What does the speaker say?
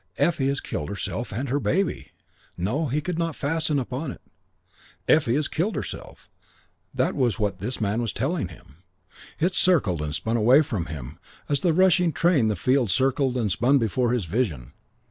Effie has killed herself and her baby." No, he could not fasten upon it. "Effie has killed herself." That was what this man was telling him. It circled and spun away from him as from the rushing train the fields circled and spun before his vision.